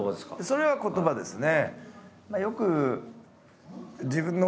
それは言葉ですね。